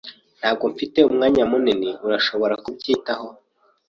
Ntabwo mfite umwanya munini. Urashobora kubyitaho?